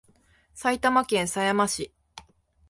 埼玉県狭山市